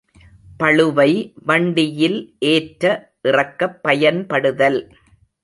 பளுவை வண்டியில் ஏற்ற இறக்கப் பயன்படுதல்.